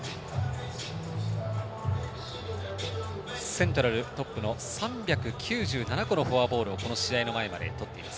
セントラルトップの３９７個のフォアボールをこの試合の前までとっています。